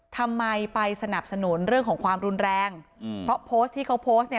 ทำไมไปสนับสนุนเรื่องของความรุนแรงอืมเพราะโพสต์ที่เขาโพสต์เนี่ย